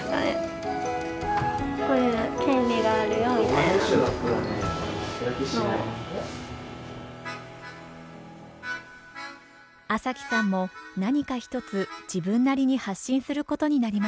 麻貴さんも何か一つ自分なりに発信することになりました。